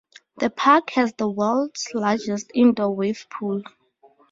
The park has the world's largest indoor wave pool.